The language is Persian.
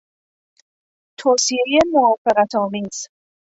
توصیهی موافقتآمیز